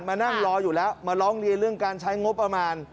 มานั่งรออยู่แล้วมาร้องเรียนเรื่องการใช้งบประมาณ